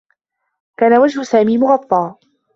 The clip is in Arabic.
كان وجه سامي مغطّى.